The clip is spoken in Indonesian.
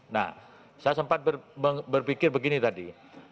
nah saya sempat berpikir begini tadi